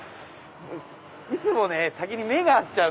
いつも先に目が合っちゃう。